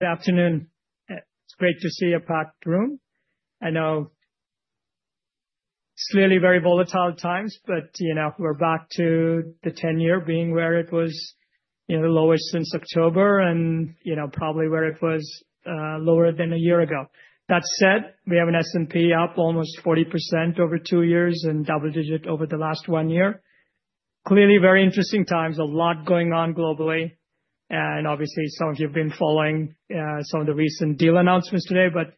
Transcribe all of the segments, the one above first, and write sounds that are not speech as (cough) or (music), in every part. Good afternoon. It's great to see you, packed room. I know it's clearly very volatile times, but, you know, we're back to the ten-year being where it was, you know, the lowest since October and, you know, probably where it was lower than a year ago. That said, we have an S&P up almost 40% over two years and double-digit over the last one year. Clearly very interesting times, a lot going on globally. And obviously, some of you have been following some of the recent deal announcements today, but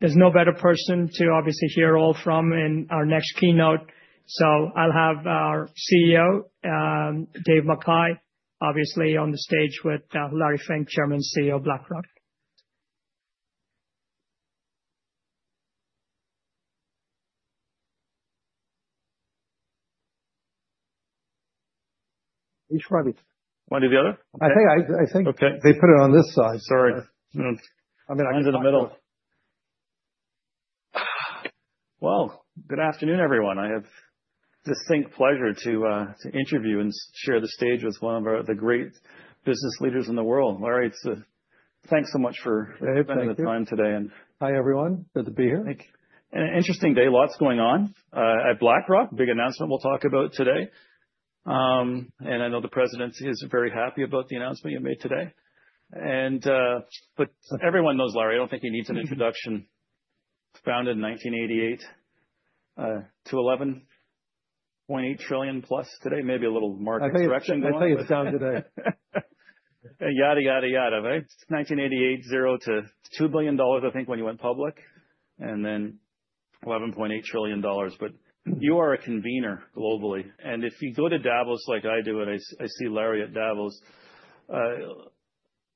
there's no better person to obviously hear all from in our next keynote. So I'll have our CEO, Dave McKay, obviously on the stage with Larry Fink, Chairman and CEO of BlackRock. Each one or the other? I think, I think they put it on this side. Sorry. (crosstalk) Well, good afternoon, everyone. I have the distinct pleasure to interview and share the stage with one of the great business leaders in the world. Larry, thanks so much for spending the time today. Hi, everyone. Good to be here. Thank you. An interesting day, lots going on at BlackRock, big announcement we'll talk about today. I know the president is very happy about the announcement you made today. But everyone knows, Larry, I don't think he needs an introduction. Founded in 1988 to $11.8 trillion plus today, maybe a little market correction going on. I think it's down today. Yada, yada, yada. Right? 1988, $0 to 2 billion, I think, when you went public, and then $11.8 trillion. But you are a convener globally. And if you go to Davos like I do, and I see Larry at Davos,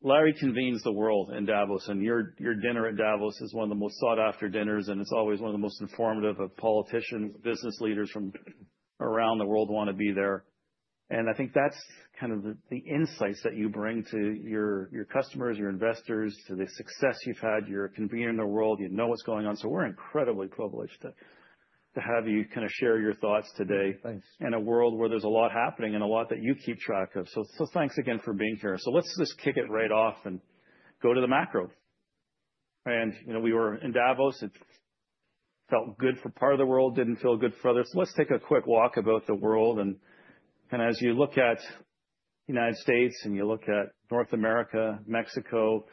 Larry convenes the world in Davos, and your dinner at Davos is one of the most sought-after dinners, and it's always one of the most informative. Of politicians, business leaders from around the world want to be there. And I think that's kind of the insights that you bring to your customers, your investors, to the success you've had. You're convening the world, you know what's going on. So we're incredibly privileged to have you kind of share your thoughts today. Thanks. In a world where there's a lot happening and a lot that you keep track of. So thanks again for being here. So let's just kick it right off and go to the macro. And, you know, we were in Davos, it felt good for part of the world, didn't feel good for others. So let's take a quick walk about the world. And as you look at the United States and you look at North America, Mexico,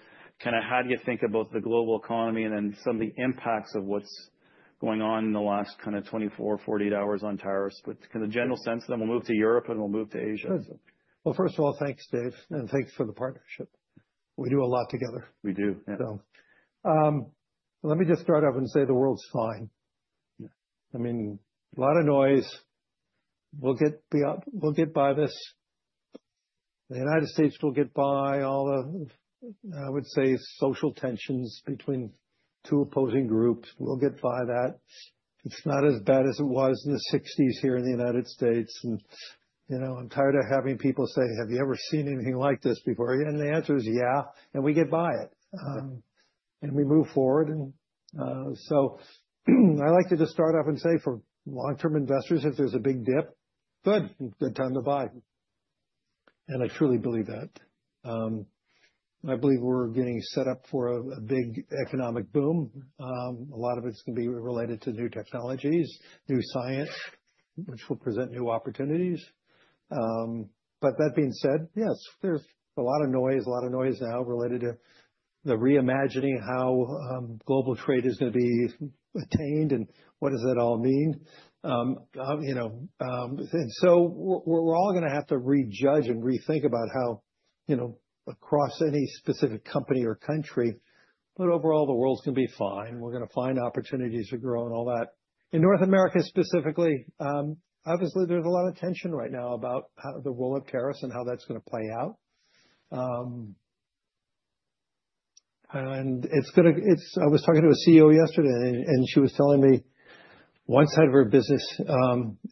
kind of how do you think about the global economy and then some of the impacts of what's going on in the last kind of 24, 48 hours on tariffs, but kind of general sense, and then we'll move to Europe and we'll move to Asia. First of all, thanks, Dave, and thanks for the partnership. We do a lot together. We do. Yeah. Let me just start off and say the world's fine. I mean, a lot of noise. We'll get by this. The United States will get by all the, I would say, social tensions between two opposing groups. We'll get by that. It's not as bad as it was in the 1960s here in the United States. And, you know, I'm tired of having people say, "Have you ever seen anything like this before?" And the answer is, "Yeah." And we get by it. And we move forward. And so I like to just start off and say for long-term investors, if there's a big dip, good, good time to buy. And I truly believe that. I believe we're getting set up for a big economic boom. A lot of it's going to be related to new technologies, new science, which will present new opportunities. But that being said, yes, there's a lot of noise, a lot of noise now related to the reimagining how global trade is going to be attained and what does that all mean. You know, and so we're all going to have to re-judge and rethink about how, you know, across any specific company or country, but overall the world's going to be fine. We're going to find opportunities to grow and all that. In North America specifically, obviously there's a lot of tension right now about the role of tariffs and how that's going to play out. And it's going to, I was talking to a CEO yesterday and she was telling me one side of her business,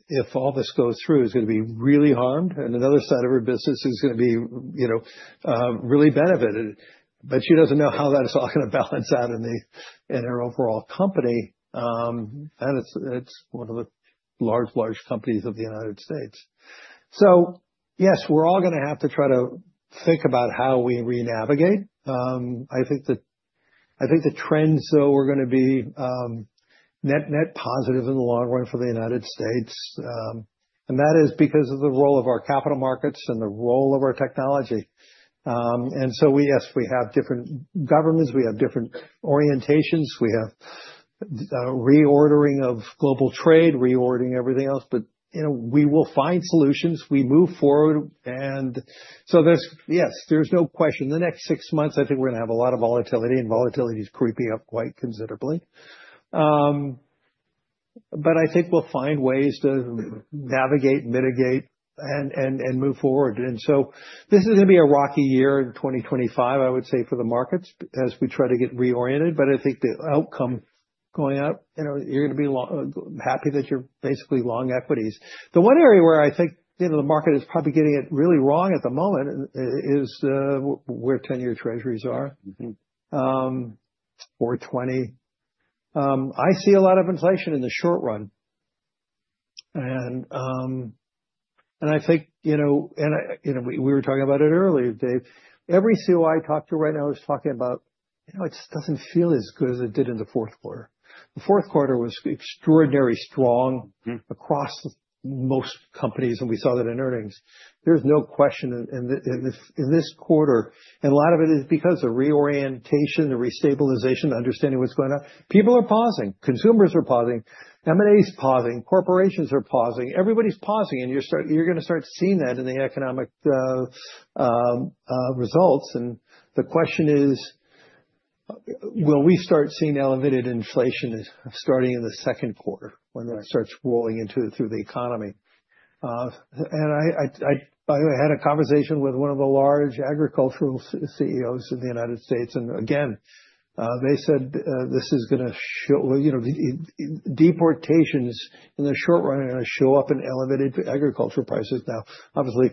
if all this goes through, is going to be really harmed. And another side of her business is going to be, you know, really benefited. But she doesn't know how that is all going to balance out in her overall company. And it's one of the large, large companies of the United States. So yes, we're all going to have to try to think about how we renavigate. I think the trends though are going to be net, net positive in the long run for the United States. And that is because of the role of our capital markets and the role of our technology. And so we, yes, we have different governments, we have different orientations, we have reordering of global trade, reordering everything else. But, you know, we will find solutions, we move forward. And so, yes, there's no question. The next six months, I think we're going to have a lot of volatility and volatility is creeping up quite considerably. But I think we'll find ways to navigate, mitigate, and move forward. And so this is going to be a rocky year in 2025, I would say, for the markets as we try to get reoriented. But I think the outcome going up, you know, you're going to be happy that you're basically long equities. The one area where I think, you know, the market is probably getting it really wrong at the moment is where 10-year Treasuries are. 4.20%. I see a lot of inflation in the short run. And I think, you know, and I, you know, we were talking about it earlier, Dave. Every CIO I talked to right now is talking about, you know, it doesn't feel as good as it did in the Q4. The Q4 was extraordinarily strong across most companies and we saw that in earnings. There's no question in this quarter, and a lot of it is because of reorientation, the restabilization, the understanding of what's going on. People are pausing. Consumers are pausing. M&A is pausing. Corporations are pausing. Everybody's pausing, and you're starting, you're going to start seeing that in the economic results, and the question is, will we start seeing elevated inflation starting in the Q2 when that starts rolling into through the economy? And I, by the way, had a conversation with one of the large agricultural CEOs of the United States, and again, they said this is going to show, you know, deportations in the short run are going to show up in elevated agricultural prices. Now, obviously,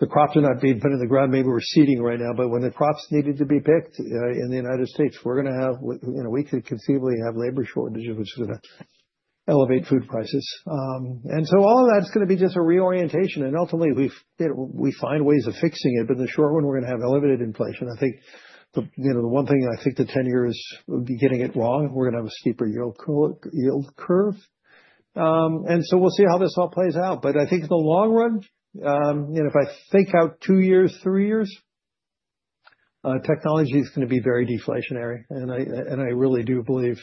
the crops are not being put in the ground, maybe we're seeding right now, but when the crops needed to be picked in the United States, we're going to have, you know, we could conceivably have labor shortages, which is going to elevate food prices. And so all of that's going to be just a reorientation. And ultimately, we find ways of fixing it. But in the short run, we're going to have elevated inflation. I think the, you know, the one thing I think the 10-year is getting it wrong. We're going to have a steeper yield curve. And so we'll see how this all plays out. But I think in the long run, you know, if I think out two years, three years, technology is going to be very deflationary. And I really do believe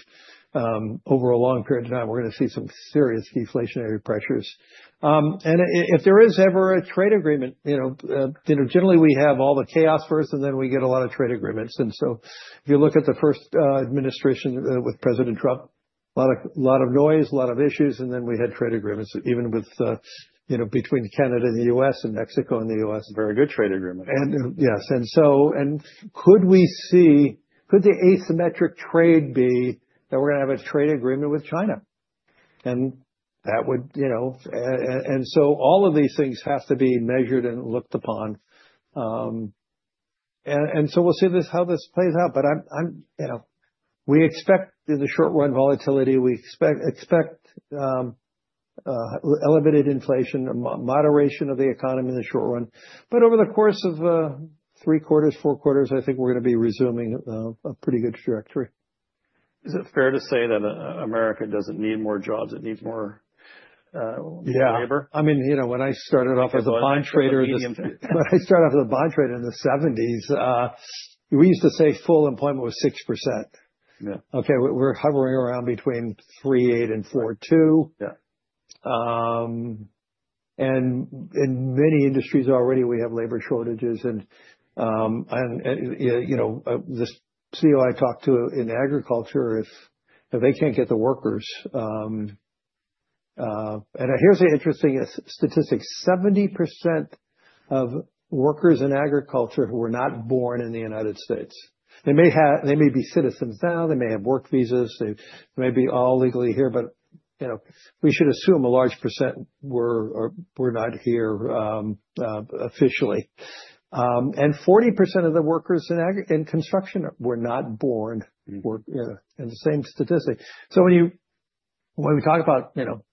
over a long period of time, we're going to see some serious deflationary pressures. And if there is ever a trade agreement, you know, generally we have all the chaos first and then we get a lot of trade agreements. And so if you look at the first administration with President Trump, a lot of noise, a lot of issues, and then we had trade agreements even with, you know, between Canada and the U.S. and Mexico and the U.S. Very good trade agreement. And yes. And so, could we see, could the asymmetric trade be that we're going to have a trade agreement with China? And that would, you know, and so all of these things have to be measured and looked upon. And so we'll see how this plays out. But I'm, you know, we expect in the short run volatility, we expect elevated inflation, moderation of the economy in the short run. But over the course of three quarters, four quarters, I think we're going to be resuming a pretty good trajectory. Is it fair to say that America doesn't need more jobs? It needs more labor? Yeah. I mean, you know, when I started off as a bond trader in the 1970s, we used to say full employment was 6%. Yeah. Okay. We're hovering around between 3.8% and 4.2%. Yeah. In many industries already, we have labor shortages. You know, this CEO I talked to in agriculture, if they can't get the workers, and here's an interesting statistic, 70% of workers in agriculture who were not born in the United States. They may be citizens now. They may have work visas. They may be all legally here. But, you know, we should assume a large percent were not here officially. And 40% of the workers in construction were not born in the same statistic. So when we talk about, you know,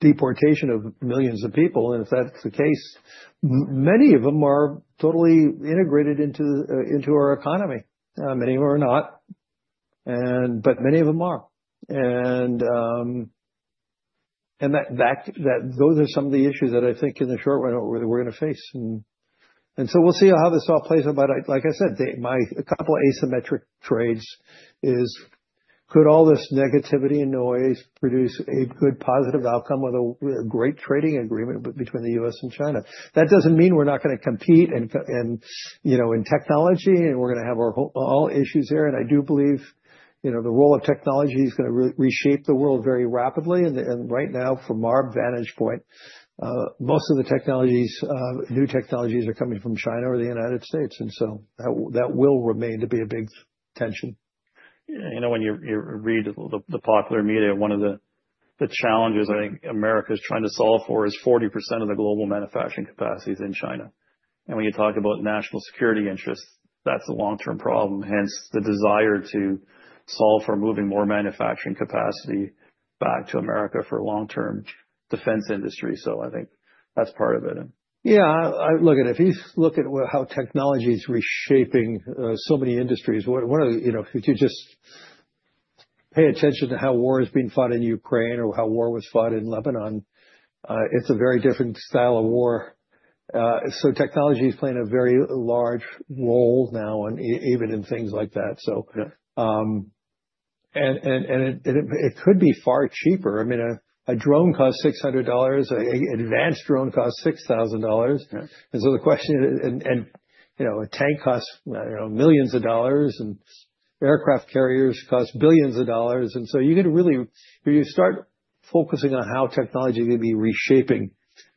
deportation of millions of people, and if that's the case, many of them are totally integrated into our economy. Many of them are not. But many of them are. And those are some of the issues that I think in the short run we're going to face. And so we'll see how this all plays out. But like I said, my couple of asymmetric trades is, could all this negativity and noise produce a good positive outcome with a great trading agreement between the U.S. and China? That doesn't mean we're not going to compete and, you know, in technology, and we're going to have our all issues there. And I do believe, you know, the role of technology is going to reshape the world very rapidly. And right now, from our vantage point, most of the technologies, new technologies are coming from China or the United States. And so that will remain to be a big tension. You know, when you read the popular media, one of the challenges I think America is trying to solve for is 40% of the global manufacturing capacity is in China. And when you talk about national security interests, that's a long-term problem. Hence the desire to solve for moving more manufacturing capacity back to America for long-term defense industry. So I think that's part of it. Yeah. Look at it. If you look at how technology is reshaping so many industries, one of the, you know, if you just pay attention to how war is being fought in Ukraine or how war was fought in Lebanon, it's a very different style of war. So technology is playing a very large role now, and even in things like that. So, and it could be far cheaper. I mean, a drone costs $600. An advanced drone costs $6,000. And so the question, and you know, a tank costs, you know, millions of dollars, and aircraft carriers cost billions of dollars. And so you get to really, you start focusing on how technology is going to be reshaping.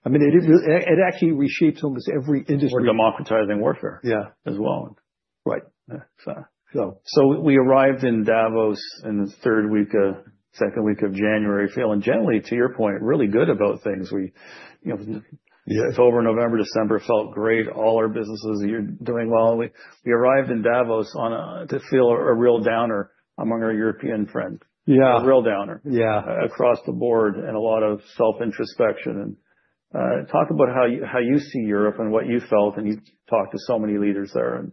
I mean, it actually reshapes almost every industry. We're democratizing warfare. Yeah. As well. Right. So, we arrived in Davos in the third week, second week of January, feeling generally, to your point, really good about things. We, you know, it's over. November, December felt great. All our businesses are doing well. We arrived in Davos to feel a real downer among our European friends. Yeah. A real downer. Yeah. Across the board and a lot of self-introspection. And talk about how you see Europe and what you felt, and you talked to so many leaders there.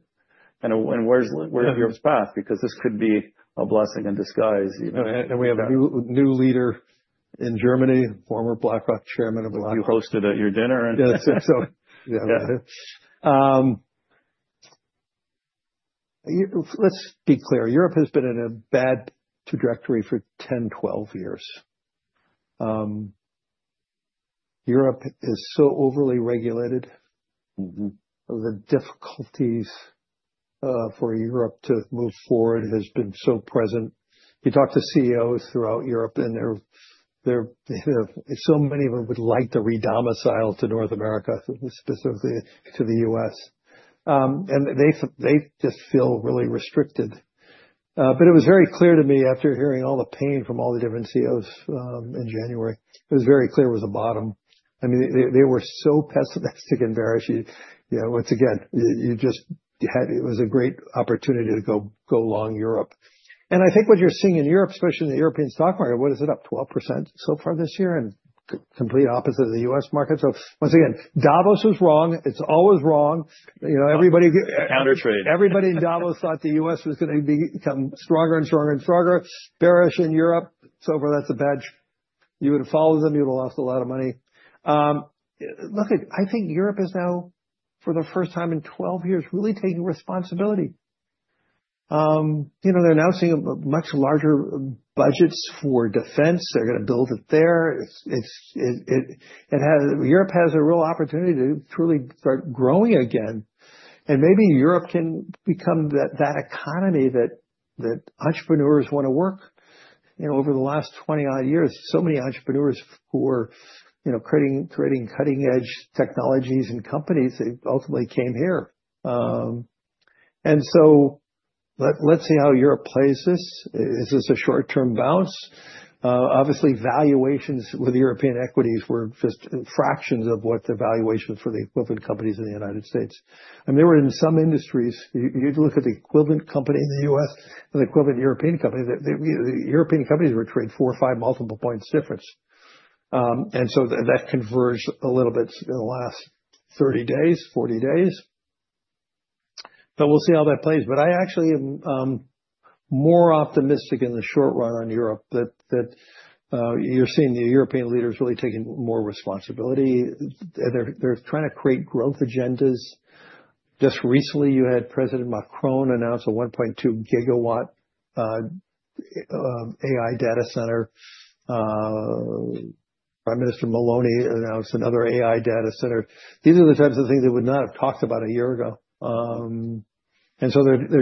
And where's Europe's path? Because this could be a blessing in disguise. We have a new leader in Germany, former BlackRock chairman of. You hosted at your dinner and. Yeah. Let's be clear. Europe has been in a bad trajectory for 10, 12 years. Europe is so overly regulated. The difficulties for Europe to move forward have been so present. You talk to CEOs throughout Europe and so many of them would like to redomicile to North America, specifically to the U.S. And they just feel really restricted. But it was very clear to me after hearing all the pain from all the different CEOs in January, it was very clear it was a bottom. I mean, they were so pessimistic and bearish. You know, once again, you just had, it was a great opportunity to go long Europe. And I think what you're seeing in Europe, especially in the European stock market, what is it, up 12% so far this year and complete opposite of the U.S. market. So once again, Davos was wrong. It's always wrong. You know, everybody. Counter-trade. Everybody in Davos thought the U.S. was going to become stronger and stronger and stronger, bearish in Europe. So over that, that's a bad bet. You would have followed them. You would have lost a lot of money. Look, I think Europe is now for the first time in 12 years really taking responsibility. You know, they're announcing much larger budgets for defense. They're going to build it there. Europe has a real opportunity to truly start growing again. And maybe Europe can become that economy that entrepreneurs want to work. You know, over the last 20-odd years, so many entrepreneurs who were, you know, creating cutting-edge technologies and companies, they ultimately came here. And so let's see how Europe plays this. Is this a short-term bounce? Obviously, valuations with European equities were just fractions of what the valuation for the equivalent companies in the United States. They were in some industries, you'd look at the equivalent company in the U.S. and the equivalent European company. The European companies were trading four or five multiple points difference. That converged a little bit in the last 30 days, 40 days. We'll see how that plays. I actually am more optimistic in the short run on Europe, that you're seeing the European leaders really taking more responsibility. They're trying to create growth agendas. Just recently, you had President Macron announce a 1.2 GW AI data center. Prime Minister Meloni announced another AI data center. These are the types of things they would not have talked about a year ago. They're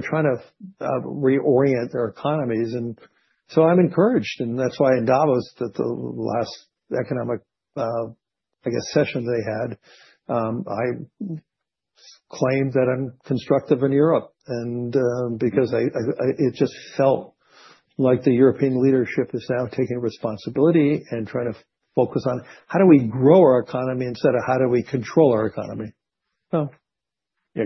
trying to reorient their economies. I'm encouraged. That's why in Davos, the last economic, I guess, session they had, I claimed that I'm constructive in Europe. Because it just felt like the European leadership is now taking responsibility and trying to focus on how do we grow our economy instead of how do we control our economy. Yeah.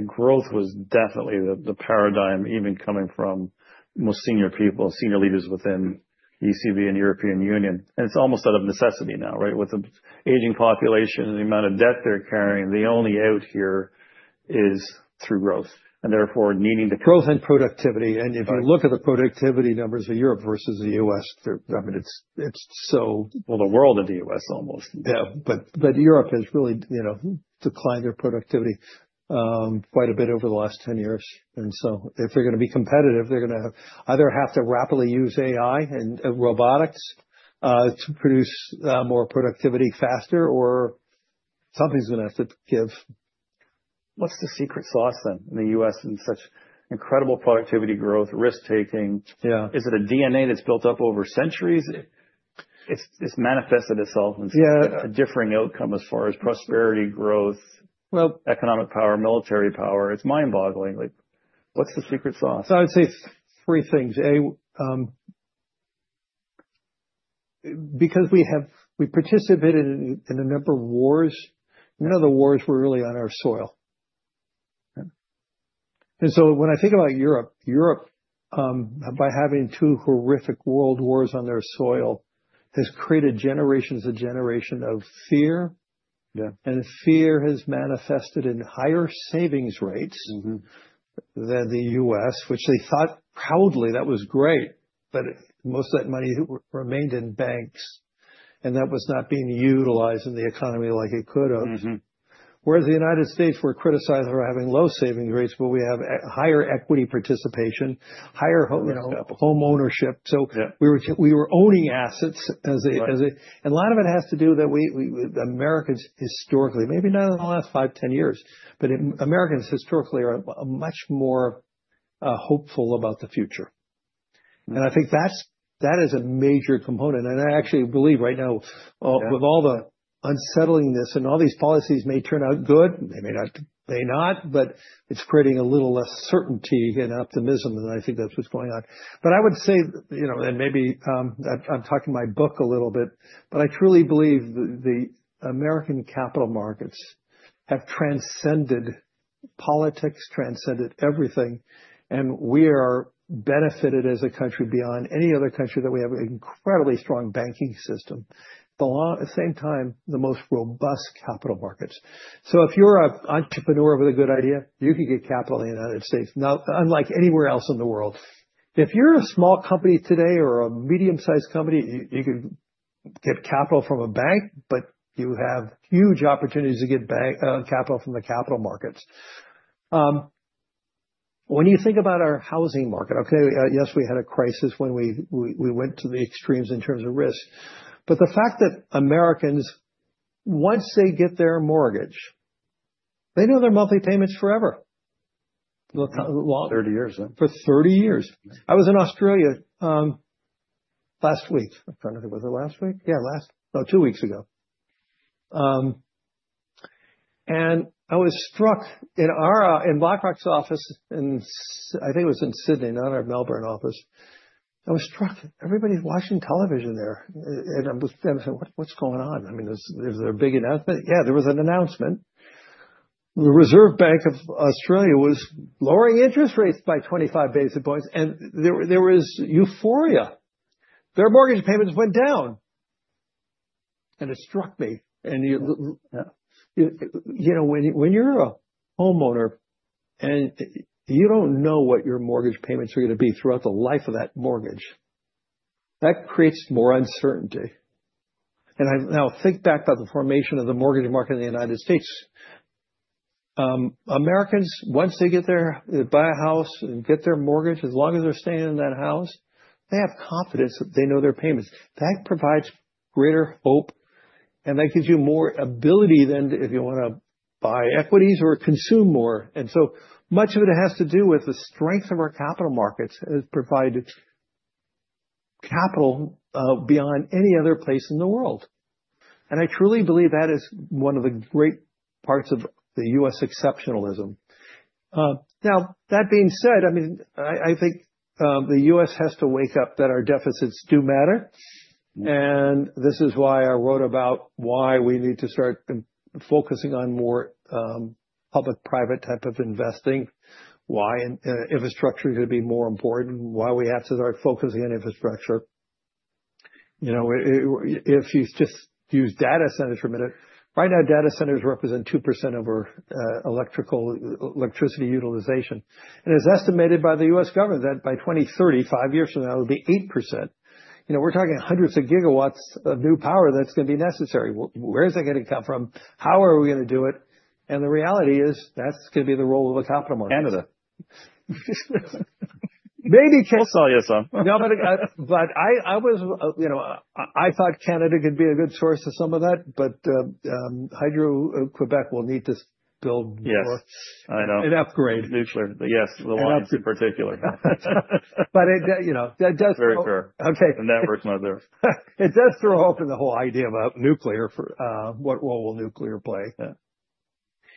Growth was definitely the paradigm, even coming from most senior people, senior leaders within ECB and European Union. And it's almost out of necessity now, right? With the aging population and the amount of debt they're carrying, the only out here is through growth and therefore needing to. Growth and productivity. And if you look at the productivity numbers of Europe versus the U.S., I mean, it's so. Well, the world and the U.S. almost. Yeah, but Europe has really, you know, declined their productivity quite a bit over the last 10 years, and so if they're going to be competitive, they're going to either have to rapidly use AI and robotics to produce more productivity faster or something's going to have to give. What's the secret sauce then in the U.S. and such incredible productivity growth, risk-taking? Yeah. Is it a DNA that's built up over centuries? It's manifested itself in a differing outcome as far as prosperity, growth, economic power, military power. It's mind-boggling. What's the secret sauce? I would say three things. Because we have, we participated in a number of wars. None of the wars were really on our soil. And so when I think about Europe, Europe, by having two horrific world wars on their soil, has created generations and generations of fear. And fear has manifested in higher savings rates than the U.S., which they thought proudly that was great, but most of that money remained in banks. And that was not being utilized in the economy like it could have. Whereas the United States were criticized for having low savings rates, but we have higher equity participation, higher homeownership. So we were owning assets as a, and a lot of it has to do that we, Americans historically, maybe not in the last five, 10 years, but Americans historically are much more hopeful about the future. And I think that is a major component. And I actually believe right now, with all the unsettlingness and all these policies may turn out good, they may not, but it's creating a little less certainty and optimism. And I think that's what's going on. But I would say, you know, and maybe I'm talking my book a little bit, but I truly believe the American capital markets have transcended politics, transcended everything. And we are benefited as a country beyond any other country that we have an incredibly strong banking system, but at the same time, the most robust capital markets. So if you're an entrepreneur with a good idea, you can get capital in the United States. Now, unlike anywhere else in the world, if you're a small company today or a medium-sized company, you can get capital from a bank, but you have huge opportunities to get capital from the capital markets. When you think about our housing market, okay, yes, we had a crisis when we went to the extremes in terms of risk. But the fact that Americans, once they get their mortgage, they know their monthly payments forever. 30 years, huh? For 30 years. I was in Australia last week. I'm trying to think, was it last week? Yeah, last, no, two weeks ago. And I was struck in our, in BlackRock's office, and I think it was in Sydney, not our Melbourne office. I was struck that everybody's watching television there. And I was saying, what's going on? I mean, is there a big announcement? Yeah, there was an announcement. The Reserve Bank of Australia was lowering interest rates by 25 basis points. And there was euphoria. Their mortgage payments went down. And it struck me. And you know, when you're a homeowner and you don't know what your mortgage payments are going to be throughout the life of that mortgage, that creates more uncertainty. And I now think back about the formation of the mortgage market in the United States. Americans, once they get there, they buy a house and get their mortgage, as long as they're staying in that house, they have confidence that they know their payments. That provides greater hope. And that gives you more ability than if you want to buy equities or consume more. And so much of it has to do with the strength of our capital markets as provided capital beyond any other place in the world. And I truly believe that is one of the great parts of the U.S. exceptionalism. Now, that being said, I mean, I think the U.S. has to wake up that our deficits do matter. And this is why I wrote about why we need to start focusing on more public-private type of investing, why infrastructure is going to be more important, why we have to start focusing on infrastructure. You know, if you just use data centers for a minute, right now, data centers represent 2% of our electricity utilization. And it's estimated by the U.S. government that by 2030, five years from now, it'll be 8%. You know, we're talking hundreds of gigawatts of new power that's going to be necessary. Where is that going to come from? How are we going to do it? And the reality is that's going to be the role of the capital markets. Canada. Maybe. We'll sell you some. No, but I was, you know, I thought Canada could be a good source of some of that, but Hydro-Québec will need to build more. Yes. I know. An upgrade. Nuclear. Yes. The one in particular. But it, you know, that does throw. Very true. Okay. The network mother. It does throw open the whole idea about nuclear, what role will nuclear play?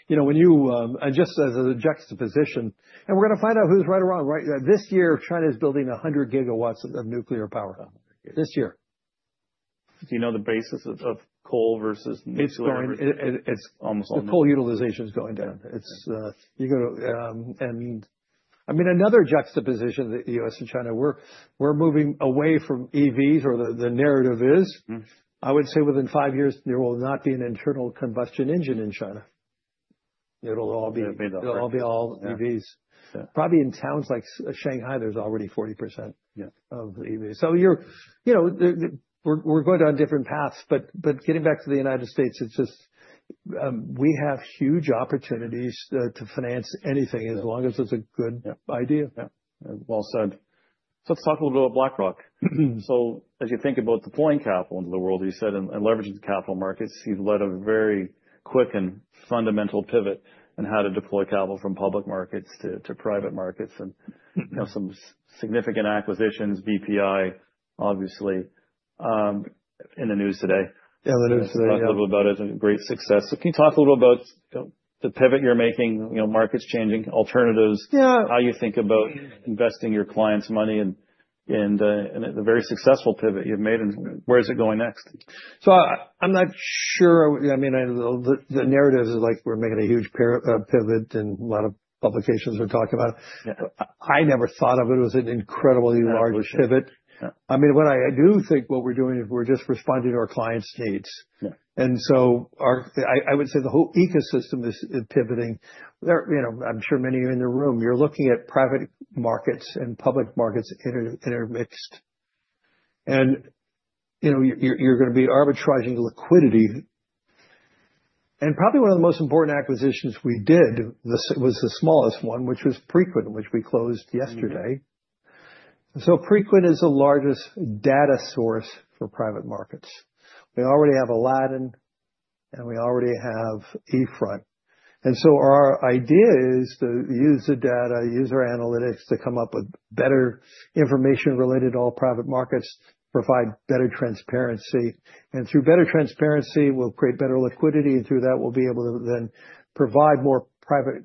You know, when you, and just as a juxtaposition, and we're going to find out who's right or wrong, right? This year, China is building 100 GW of nuclear power. Do you know the basis of coal versus nuclear? It's going. It's almost all nuclear. The coal utilization is going down. It's, you go to, and I mean, another juxtaposition that the U.S. and China, we're moving away from EVs or the narrative is. I would say within five years, there will not be an internal combustion engine in China. It'll all be, it'll all be all EVs. Probably in towns like Shanghai, there's already 40% of EVs. So you're, you know, we're going on different paths, but getting back to the United States, it's just we have huge opportunities to finance anything as long as it's a good idea. Well said. So let's talk a little bit about BlackRock. So as you think about deploying capital into the world, you said, and leveraging the capital markets, you've led a very quick and fundamental pivot in how to deploy capital from public markets to private markets and have some significant acquisitions, GIP, obviously, in the news today. Yeah, in the news today. You talked a little bit about it as a great success. So can you talk a little about the pivot you're making, you know, markets changing, alternatives, how you think about investing your clients' money and the very successful pivot you've made and where is it going next? So I'm not sure. I mean, the narrative is like we're making a huge pivot and a lot of publications are talking about it. I never thought of it as an incredibly large pivot. I mean, what I do think what we're doing is we're just responding to our clients' needs. And so I would say the whole ecosystem is pivoting. You know, I'm sure many of you in the room, you're looking at private markets and public markets intermixed. And you know, you're going to be arbitraging liquidity. And probably one of the most important acquisitions we did was the smallest one, which was Preqin, which we closed yesterday. So Preqin is the largest data source for private markets. We already have Aladdin and we already have eFront. And so our idea is to use the data, use our analytics to come up with better information related to all private markets, provide better transparency. And through better transparency, we'll create better liquidity. And through that, we'll be able to then provide more private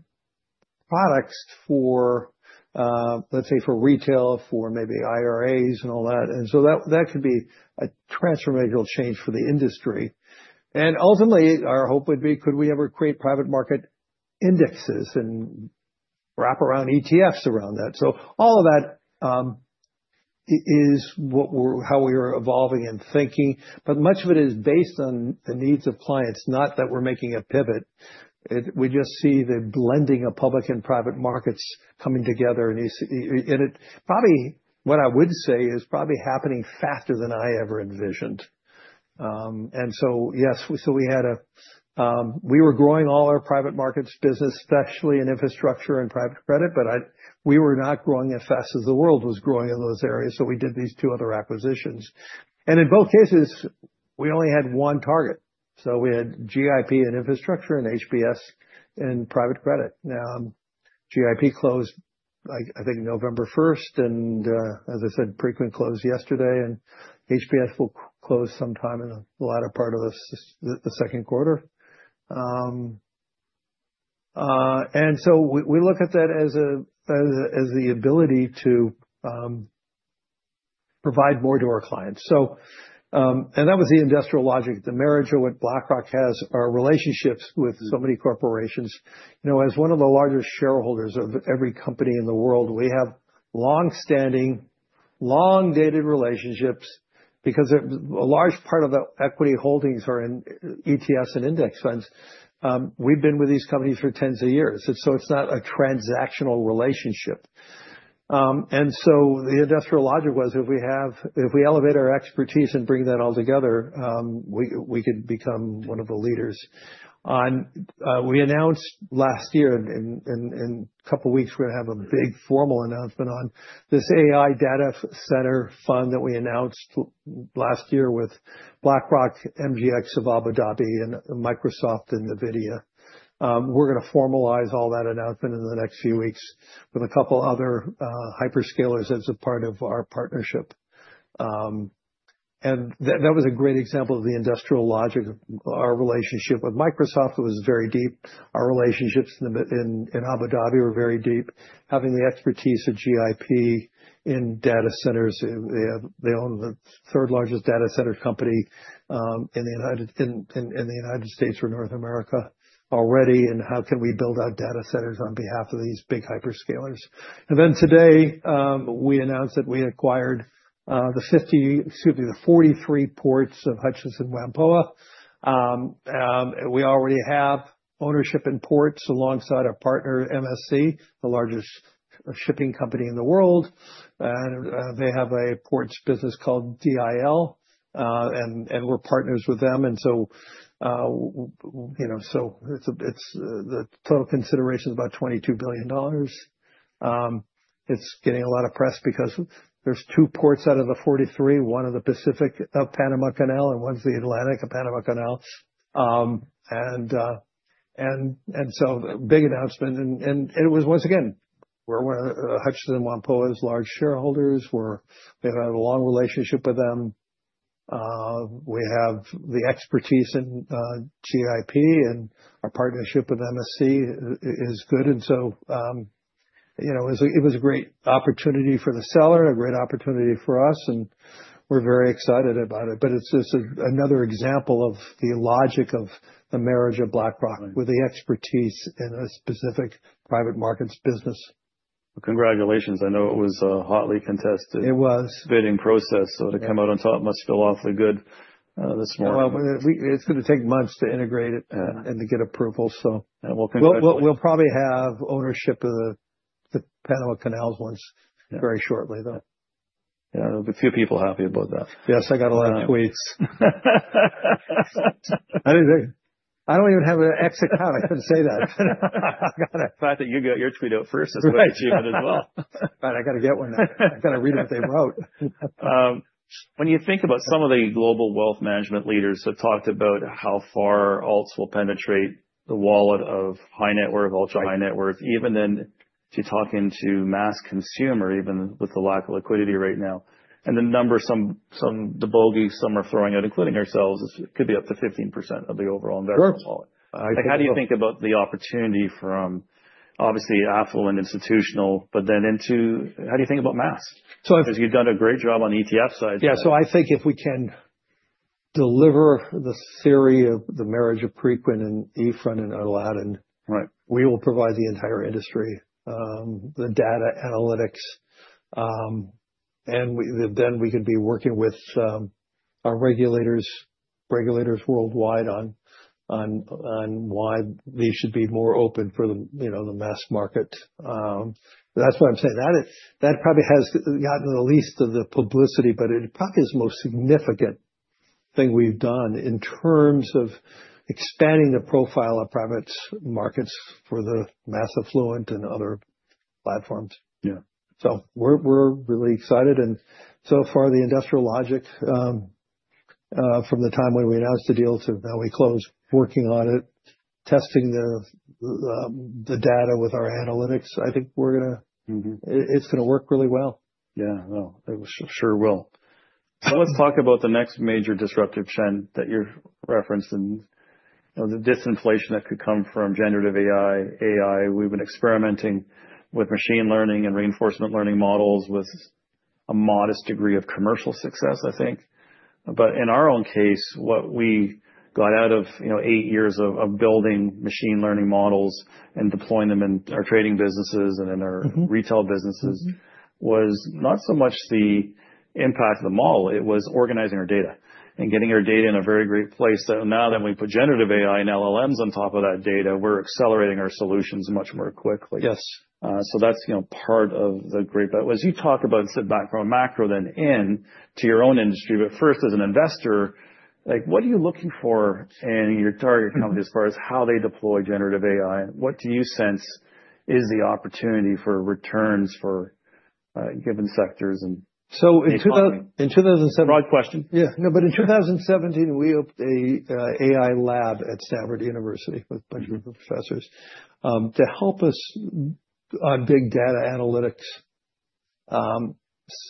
products for, let's say, for retail, for maybe IRAs and all that. And so that could be a transformational change for the industry. And ultimately, our hope would be, could we ever create private market indexes and wrap around ETFs around that? So all of that is how we are evolving and thinking. But much of it is based on the needs of clients, not that we're making a pivot. We just see the blending of public and private markets coming together. And probably what I would say is probably happening faster than I ever envisioned. Yes, so we had a, we were growing all our private markets business, especially in infrastructure and private credit, but we were not growing as fast as the world was growing in those areas. We did these two other acquisitions. In both cases, we only had one target. We had GIP and infrastructure and HPS and private credit. GIP closed, I think, November 1st. As I said, Preqin closed yesterday. HPS will close sometime in the latter part of the Q2. We look at that as the ability to provide more to our clients. That was the industrial logic, the marriage of what BlackRock has are relationships with so many corporations. You know, as one of the largest shareholders of every company in the world, we have long-standing, long-dated relationships because a large part of the equity holdings are in ETFs and index funds. We've been with these companies for tens of years. So it's not a transactional relationship. And so the industrial logic was if we have, if we elevate our expertise and bring that all together, we could become one of the leaders. We announced last year. In a couple of weeks, we're going to have a big formal announcement on this AI data center fund that we announced last year with BlackRock, MGX of Abu Dhabi, and Microsoft and NVIDIA. We're going to formalize all that announcement in the next few weeks with a couple of other hyperscalers as a part of our partnership. And that was a great example of the industrial logic of our relationship with Microsoft. It was very deep. Our relationships in Abu Dhabi were very deep. Having the expertise of GIP in data centers, they own the third largest data center company in the United States or North America already. And how can we build out data centers on behalf of these big hyperscalers? And then today, we announced that we acquired the 50, excuse me, the 43 ports of Hutchison Whampoa. We already have ownership in ports alongside our partner, MSC, the largest shipping company in the world. And they have a ports business called TIL. And we're partners with them. And so, you know, so the total consideration is about $22 billion. It's getting a lot of press because there's two ports out of the 43, one of the Pacific Panama Canal and one's the Atlantic Panama Canal. And so, big announcement. And it was once again, we're one of Hutchison Whampoa's large shareholders. We've had a long relationship with them. We have the expertise in GIP and our partnership with MSC is good. And so, you know, it was a great opportunity for the seller, a great opportunity for us. And we're very excited about it. But it's just another example of the logic of the marriage of BlackRock with the expertise in a specific private markets business. Congratulations. I know it was a hotly contested bidding process. To come out on top must feel awfully good this morning. It's going to take months to integrate it and to get approval. We'll congratulate you. We'll probably have ownership of the Panama Canal ones very shortly, though. Yeah, there'll be a few people happy about that. Yes, I got a lot of tweets. I don't even have an X account. I couldn't say that. I thought that you got your tweet out first. I was going to as well. Right, I got to get one now. I got to read what they wrote. When you think about some of the global wealth management leaders that talked about how far alts will penetrate the wallet of high net worth, ultra high net worth, even then to talking to mass consumer, even with the lack of liquidity right now. The number, some the bogey, some are throwing out, including ourselves, it could be up to 15% of the overall American wallet. How do you think about the opportunity from obviously affluent, institutional, but then into, how do you think about mass? Because you've done a great job on ETF side. Yeah, so I think if we can deliver the theory of the marriage of Preqin and eFront and Aladdin, we will provide the entire industry the data analytics. Then we could be working with our regulators, regulators worldwide on why they should be more open for the, you know, the mass market. That's what I'm saying. That probably has gotten the least of the publicity, but it probably is the most significant thing we've done in terms of expanding the profile of private markets for the mass affluent and other platforms. Yeah, so we're really excited. So far the industrial logic from the time when we announced the deal to now we closed working on it, testing the data with our analytics, I think we're going to, it's going to work really well. Yeah, well, it sure will. So let's talk about the next major disruptive trend that you've referenced and the disinflation that could come from generative AI. AI, we've been experimenting with machine learning and reinforcement learning models with a modest degree of commercial success, I think. But in our own case, what we got out of, you know, eight years of building machine learning models and deploying them in our trading businesses and in our retail businesses was not so much the impact of the model. It was organizing our data and getting our data in a very great place. So now that we put generative AI and LLMs on top of that data, we're accelerating our solutions much more quickly. So that's, you know, part of the great bit. As you talk about sitting back from a macro then into your own industry, but first as an investor, like what are you looking for in your target company as far as how they deploy generative AI? What do you sense is the opportunity for returns for given sectors and developing? In 2017. Broad question. Yeah, no, but in 2017, we opened an AI lab at Stanford University with a bunch of professors to help us on big data analytics.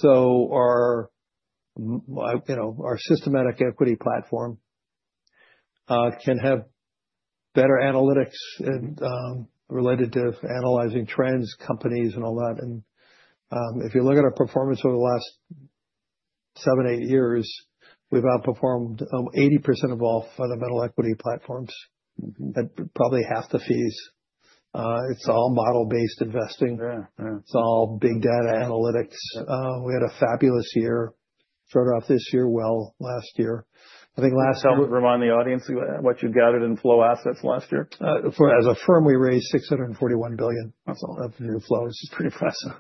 So our, you know, our systematic equity platform can have better analytics related to analyzing trends, companies, and all that. And if you look at our performance over the last seven, eight years, we've outperformed 80% of all fundamental equity platforms at probably half the fees. It's all model-based investing. It's all big data analytics. We had a fabulous year, started off this year well. Last year. I think last year. Can you help remind the audience what you've gathered in flow assets last year? As a firm, we raised $641 billion of new flows. It's pretty impressive.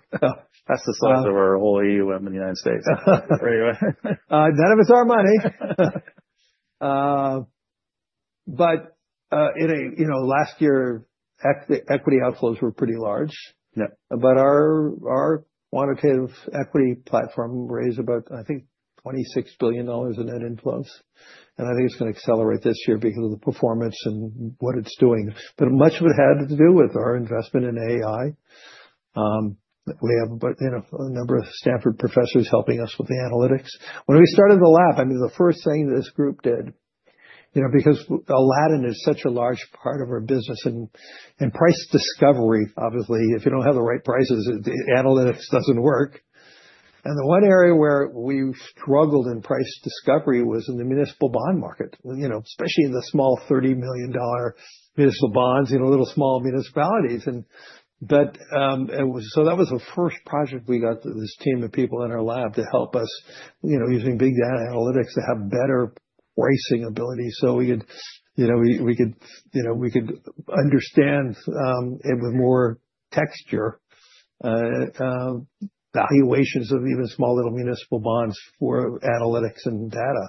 That's the size of our whole AUM in the United States. None of it's our money. But in a, you know, last year, equity outflows were pretty large. But our quantitative equity platform raised about, I think, $26 billion in net inflows. And I think it's going to accelerate this year because of the performance and what it's doing. But much of it had to do with our investment in AI. We have a number of Stanford professors helping us with the analytics. When we started the lab, I mean, the first thing this group did, you know, because Aladdin is such a large part of our business and price discovery, obviously, if you don't have the right prices, analytics doesn't work. And the one area where we struggled in price discovery was in the municipal bond market, you know, especially in the small $30 million municipal bonds in little small municipalities. But it was. So that was the first project we got this team of people in our lab to help us, you know, using big data analytics to have better pricing ability. So we could, you know, understand it with more texture, valuations of even small little municipal bonds for analytics and data.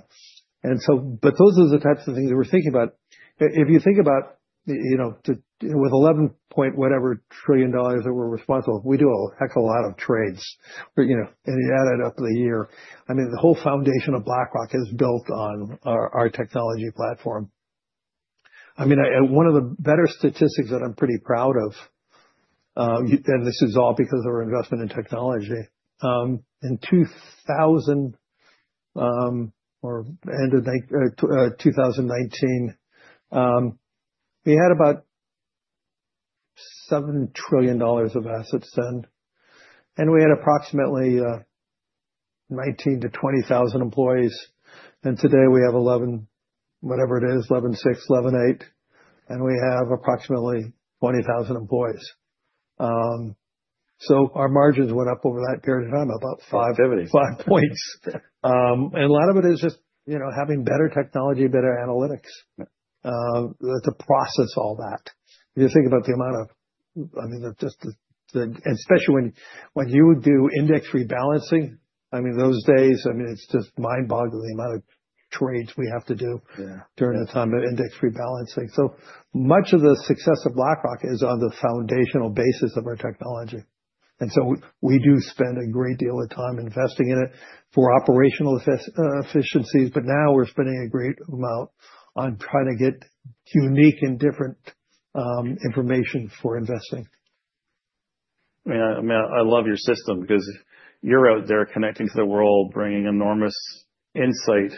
But those are the types of things that we're thinking about. If you think about, you know, with $11 point whatever trillion that we're responsible, we do a heck of a lot of trades, you know, and you add it up to the year. I mean, the whole foundation of BlackRock is built on our technology platform. I mean, one of the better statistics that I'm pretty proud of, and this is all because of our investment in technology. End of 2019, we had about $7 trillion of assets then. And we had approximately 19,000-20,000 employees. And today we have $11.6 trillion-$11.8 trillion. And we have approximately 20,000 employees. So our margins went up over that period of time about 5 points. And a lot of it is just, you know, having better technology, better analytics to process all that. If you think about the amount of, I mean, just the, and especially when you do index rebalancing, I mean, those days, I mean, it's just mind-boggling the amount of trades we have to do during the time of index rebalancing. So much of the success of BlackRock is on the foundational basis of our technology. And so we do spend a great deal of time investing in it for operational efficiencies. But now we're spending a great amount on trying to get unique and different information for investing. I mean, I love your system because you're out there connecting to the world, bringing enormous insight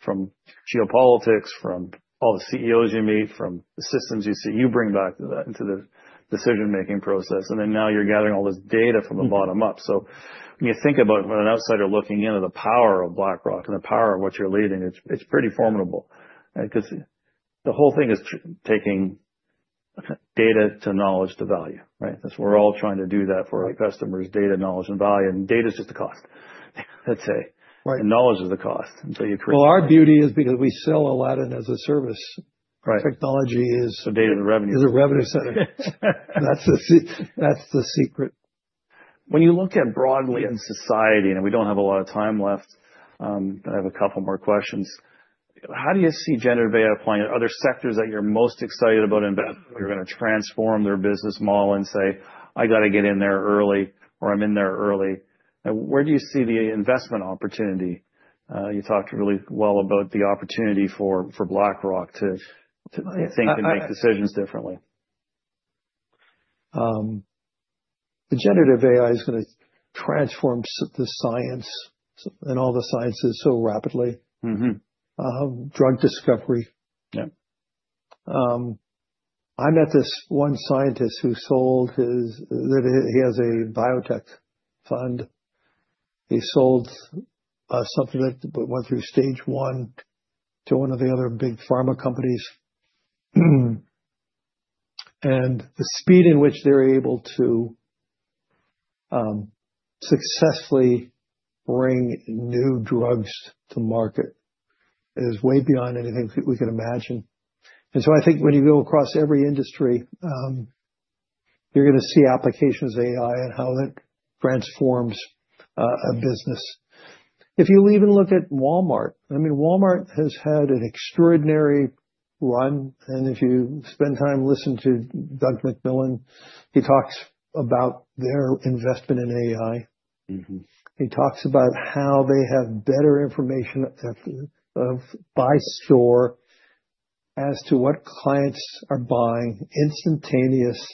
from geopolitics, from all the CEOs you meet, from the systems you see, you bring back into the decision-making process, and then now you're gathering all this data from the bottom up, so when you think about it, when an outsider looking into the power of BlackRock and the power of what you're leading, it's pretty formidable. Because the whole thing is taking data to knowledge to value, right? Because we're all trying to do that for our customers, data, knowledge, and value, and data is just a cost, let's say, and knowledge is a cost, and so you create. Our beauty is because we sell Aladdin as a service. Technology is. Data is a revenue. Is a revenue center. That's the secret. When you look at it broadly in society, and we don't have a lot of time left, but I have a couple more questions. How do you see generative AI applying to other sectors that you're most excited about investing? You're going to transform their business model and say, "I got to get in there early or I'm in there early." And where do you see the investment opportunity? You talked really well about the opportunity for BlackRock to think and make decisions differently. The generative AI is going to transform the science and all the sciences so rapidly. Drug discovery. I met this one scientist who sold his. He has a biotech fund. He sold something that went through stage one to one of the other big pharma companies, and the speed in which they're able to successfully bring new drugs to market is way beyond anything we can imagine, and so I think when you go across every industry, you're going to see applications of AI and how that transforms a business. If you even look at Walmart, I mean, Walmart has had an extraordinary run, and if you spend time listening to Doug McMillon, he talks about their investment in AI. He talks about how they have better information by store as to what clients are buying, instantaneous,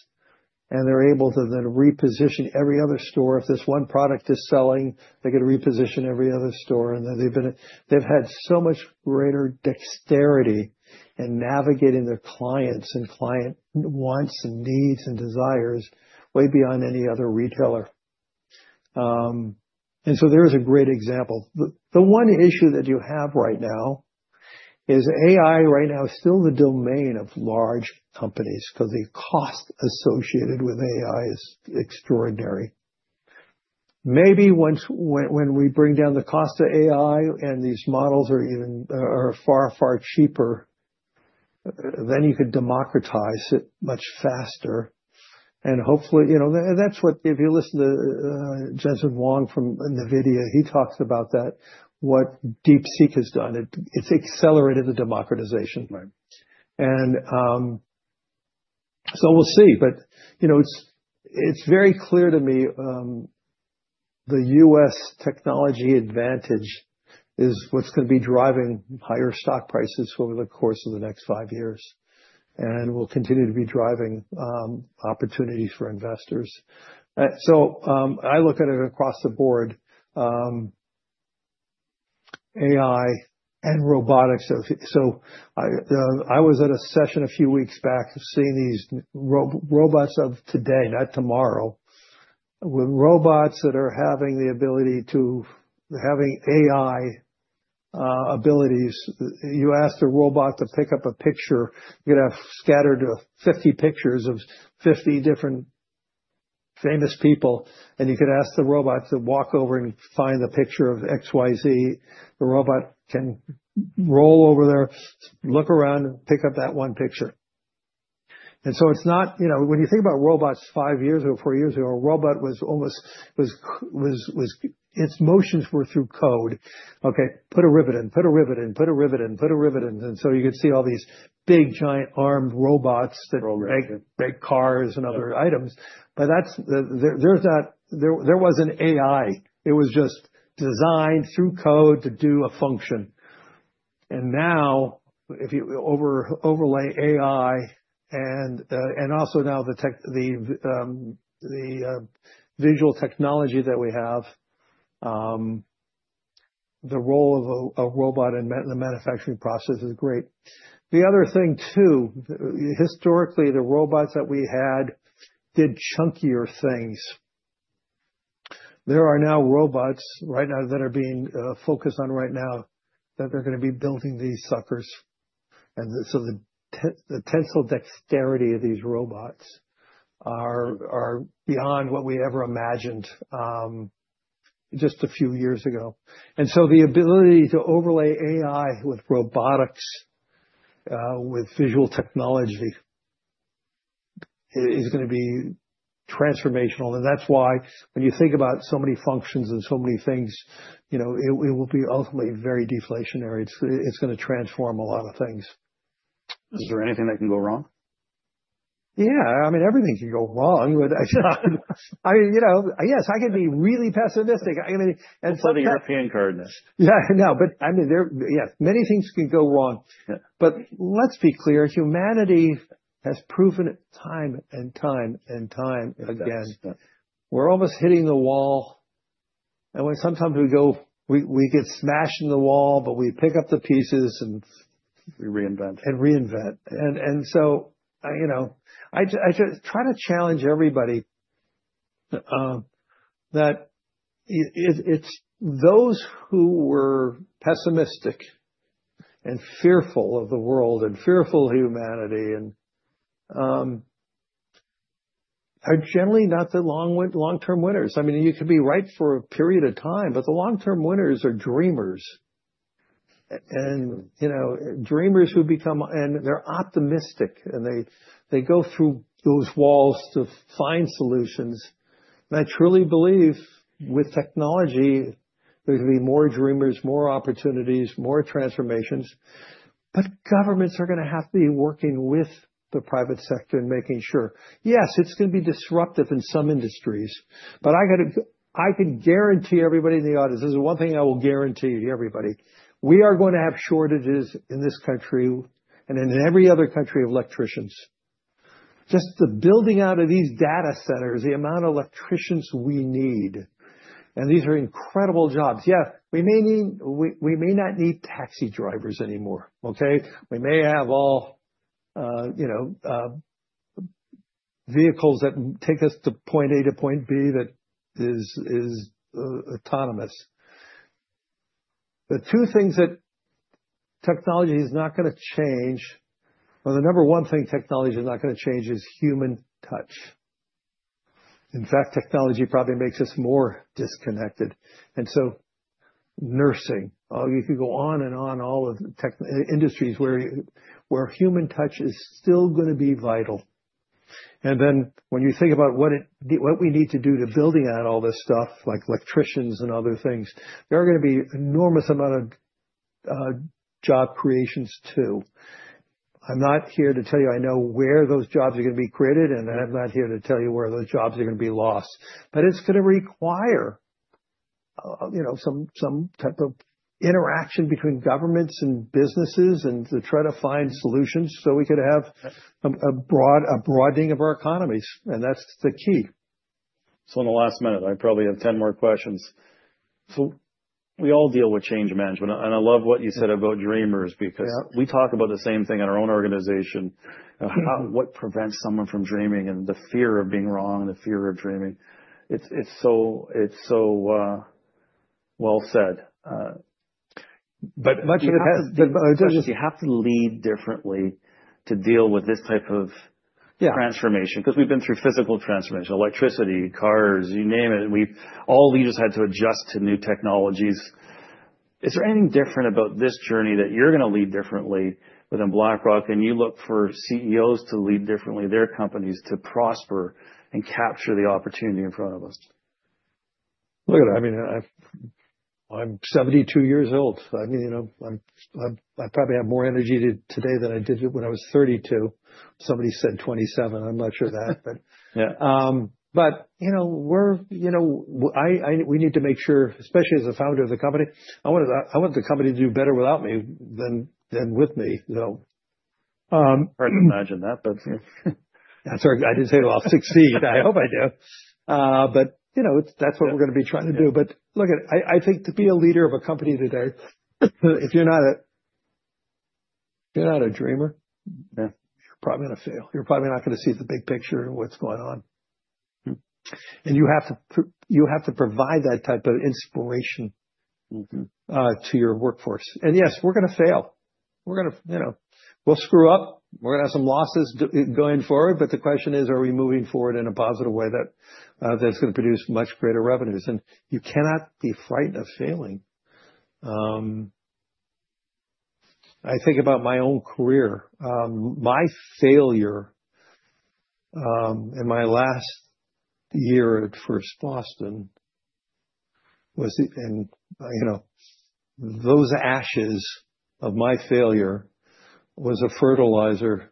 and they're able to then reposition every other store. If this one product is selling, they could reposition every other store. And they've had so much greater dexterity in navigating their clients and client wants and needs and desires way beyond any other retailer. And so there is a great example. The one issue that you have right now is AI right now is still the domain of large companies because the cost associated with AI is extraordinary. Maybe once when we bring down the cost of AI and these models are even far, far cheaper, then you could democratize it much faster. And hopefully, you know, that's what if you listen to Jensen Huang from NVIDIA, he talks about that, what DeepSeek has done. It's accelerated the democratization. And so we'll see. But, you know, it's very clear to me the U.S. technology advantage is what's going to be driving higher stock prices over the course of the next five years. And we'll continue to be driving opportunities for investors. So I look at it across the board, AI and robotics. So I was at a session a few weeks back seeing these robots of today, not tomorrow, with robots that are having the ability to have AI abilities. You asked a robot to pick up a picture. You could have scattered 50 pictures of 50 different famous people. And you could ask the robot to walk over and find the picture of XYZ. The robot can roll over there, look around, pick up that one picture. And so it's not, you know, when you think about robots five years ago, four years ago, a robot was almost, its motions were through code. Okay, put a ribbon in. And so you could see all these big giant armed robots that make cars and other items. But there wasn't AI. It was just designed through code to do a function. And now if you overlay AI and also now the visual technology that we have, the role of a robot in the manufacturing process is great. The other thing too, historically, the robots that we had did chunkier things. There are now robots that are being focused on right now that they're going to be building these suckers. And so the tensile dexterity of these robots are beyond what we ever imagined just a few years ago. And so the ability to overlay AI with robotics, with visual technology is going to be transformational. And that's why when you think about so many functions and so many things, you know, it will be ultimately very deflationary. It's going to transform a lot of things. Is there anything that can go wrong? Yeah, I mean, everything can go wrong. I mean, you know, yes, I can be really pessimistic. You're the European card now. Yeah, no, but I mean, yeah, many things can go wrong. But let's be clear, humanity has proven time and time and time again. We're almost hitting the wall, and when sometimes we go, we get smashed in the wall, but we pick up the pieces and. We reinvent. And reinvent. And so, you know, I try to challenge everybody that it's those who were pessimistic and fearful of the world and fearful of humanity are generally not the long-term winners. I mean, you could be right for a period of time, but the long-term winners are dreamers. And, you know, dreamers who become, and they're optimistic, and they go through those walls to find solutions. And I truly believe with technology, there's going to be more dreamers, more opportunities, more transformations. But governments are going to have to be working with the private sector and making sure. Yes, it's going to be disruptive in some industries. But I can guarantee everybody in the audience. This is one thing I will guarantee to everybody. We are going to have shortages in this country and in every other country of electricians. Just the building out of these data centers, the amount of electricians we need, and these are incredible jobs. Yeah, we may not need taxi drivers anymore. Okay. We may have all, you know, vehicles that take us to point A to point B that is autonomous. The two things that technology is not going to change, or the number one thing technology is not going to change is human touch. In fact, technology probably makes us more disconnected, and so nursing, you could go on and on all of the industries where human touch is still going to be vital, and then when you think about what we need to do to building out all this stuff, like electricians and other things, there are going to be an enormous amount of job creations too. I'm not here to tell you I know where those jobs are going to be created, and I'm not here to tell you where those jobs are going to be lost. But it's going to require, you know, some type of interaction between governments and businesses and to try to find solutions so we could have a broadening of our economies. And that's the key. So in the last minute, I probably have 10 more questions. So we all deal with change management. And I love what you said about dreamers because we talk about the same thing in our own organization. What prevents someone from dreaming and the fear of being wrong, the fear of dreaming? It's so well said. But you have to lead differently to deal with this type of transformation because we've been through physical transformation, electricity, cars, you name it. And we've all leaders had to adjust to new technologies. Is there anything different about this journey that you're going to lead differently within BlackRock and you look for CEOs to lead differently their companies to prosper and capture the opportunity in front of us? Look at it. I mean, I'm 72 years old. I mean, you know, I probably have more energy today than I did when I was 32. Somebody said 27. I'm not sure of that. But you know, we're, you know, we need to make sure, especially as a founder of the company, I want the company to do better without me than with me. Hard to imagine that, but. That's right. I didn't say it'll all succeed. I hope I do. But you know, that's what we're going to be trying to do. But look at it. I think to be a leader of a company today, if you're not a dreamer, you're probably going to fail. You're probably not going to see the big picture and what's going on. And you have to provide that type of inspiration to your workforce. And yes, we're going to fail. We're going to, you know, we'll screw up. We're going to have some losses going forward. But the question is, are we moving forward in a positive way that's going to produce much greater revenues? And you cannot be frightened of failing. I think about my own career. My failure in my last year at First Boston was, and you know, those ashes of my failure was a fertilizer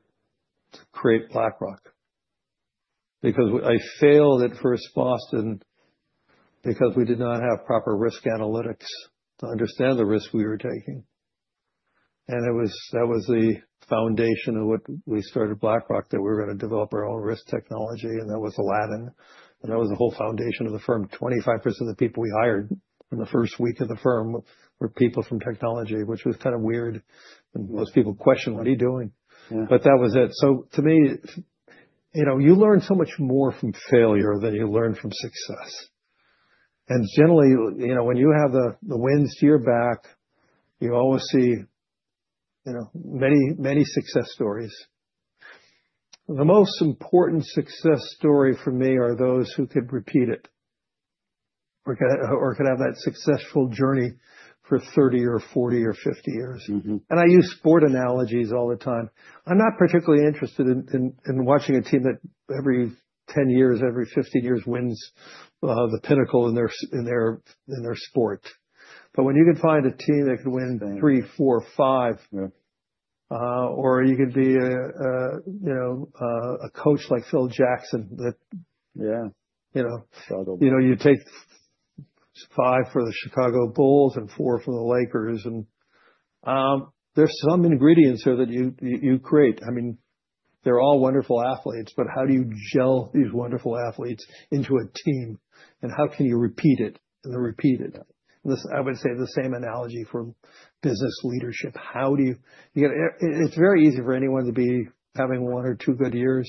to create BlackRock because I failed at First Boston because we did not have proper risk analytics to understand the risk we were taking, and that was the foundation of what we started BlackRock, that we were going to develop our own risk technology, and that was Aladdin, and that was the whole foundation of the firm. 25% of the people we hired in the first week of the firm were people from technology, which was kind of weird, and most people questioned, "What are you doing?" but that was it, so to me, you know, you learn so much more from failure than you learn from success, and generally, you know, when you have the winds to your back, you always see, you know, many, many success stories. The most important success story for me are those who could repeat it or could have that successful journey for 30 or 40 or 50 years. I use sport analogies all the time. I'm not particularly interested in watching a team that every 10 years, every 15 years wins the pinnacle in their sport. But when you can find a team that can win three, four, five, or you can be a, you know, a coach like Phil Jackson that, you know, you take five for the Chicago Bulls and four for the Lakers. And there's some ingredients there that you create. I mean, they're all wonderful athletes, but how do you gel these wonderful athletes into a team? And how can you repeat it and repeat it? I would say the same analogy for business leadership. How do you? It's very easy for anyone to be having one or two good years.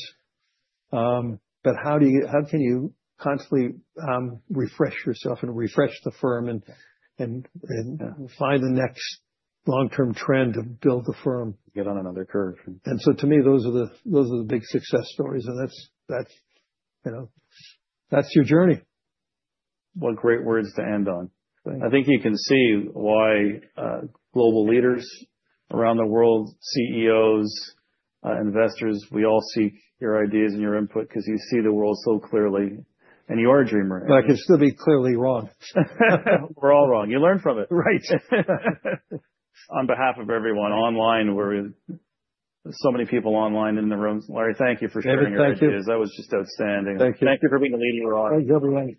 But how can you constantly refresh yourself and refresh the firm and find the next long-term trend to build the firm? Get on another curve. And so to me, those are the big success stories. And that's, you know, that's your journey. What great words to end on. I think you can see why global leaders around the world, CEOs, investors, we all seek your ideas and your input because you see the world so clearly, and you are a dreamer. But I can still be clearly wrong. We're all wrong. You learn from it. Right. On behalf of everyone online, we're so many people online in the room. Larry, thank you for sharing your ideas. That was just outstanding. Thank you. Thank you for being a leader of our audience. Thank you, everyone.